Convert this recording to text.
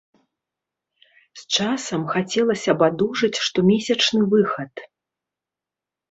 З часам хацелася б адужаць штомесячны выхад.